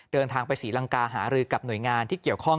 เดินทางไปศรีลังการหารือกับหน่วยงานที่เกี่ยวข้อง